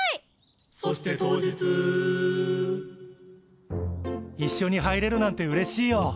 「そして当日」一緒に入れるなんてうれしいよ。